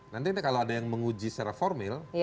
nanti ini kalau ada yang menguji secara formil